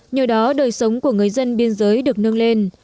nhờ đó đời sống của người dân biên giới được nâng lên